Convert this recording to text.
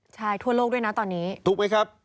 ใช่ทั่วโลกด้วยนะตอนนี้ถูกไหมครับ